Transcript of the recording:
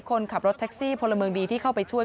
คนขับรถแท็กซี่พลเมืองดีที่เข้าไปช่วย